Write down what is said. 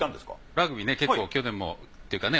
ラグビーね結構去年もっていうかね